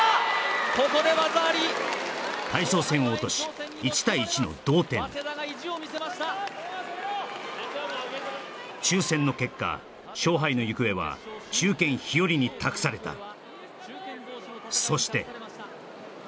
ここで技あり大将戦を落とし１対１の同点抽選の結果勝敗の行方は中堅ひよりに託されたそして